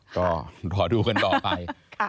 ก็รอดูกันต่อไป